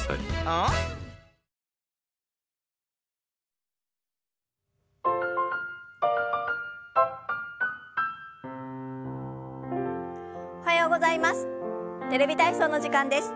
ああ⁉おはようございます。